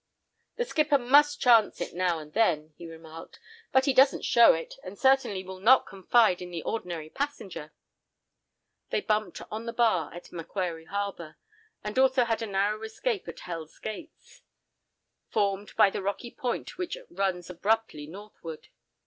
"The skipper must chance it, now and then," he remarked, "but he doesn't show it, and certainly will not confide in the ordinary passenger." They bumped on the bar at Macquarie Harbour, and also had a narrow escape at "Hell's Gates," formed by the rocky point which runs abruptly northward.